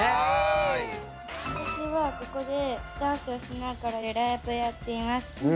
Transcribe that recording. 私はここでダンスをしながらライブをやっています。